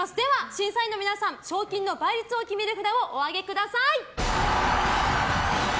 審査員の皆さん賞金の倍率を決める札をお上げください。